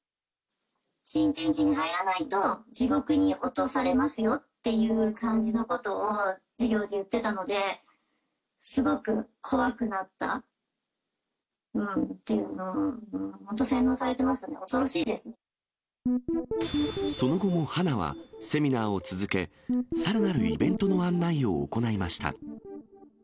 新天地に入らないと地獄に落とされますよっていう感じのことを授業で言ってたので、すごく怖くなったっていう、本当に洗脳されてましたね、その後も花はセミナーを続け、さらなるイベントの案内を行いました。